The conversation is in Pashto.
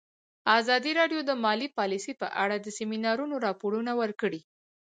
ازادي راډیو د مالي پالیسي په اړه د سیمینارونو راپورونه ورکړي.